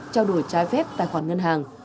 trao đổi trái phép tài khoản ngân hàng